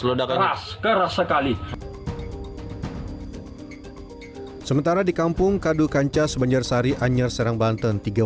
ledak keras keras sekali sementara di kampung kadu kanca subanjarsari anjar serang banten tiga